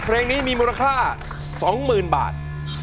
เพลงนี้มีมูลค่า๒๐๐๐บาท